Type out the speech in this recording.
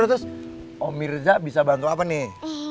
terus om mirza bisa bantu apa nih